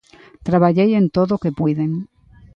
Traballei en todo o que puiden.